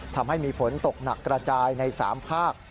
ทำให้มีฝนตกหนักกระจายใน๓ภาค